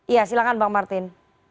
ya silakan bang martin